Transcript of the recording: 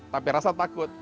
tapi rasa takut